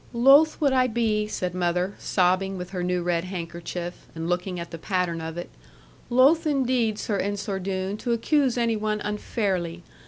'Loth would I be,' said mother, sobbing with her new red handkerchief, and looking at the pattern of it, 'loth indeed, Sir Ensor Doone, to accuse any one unfairly.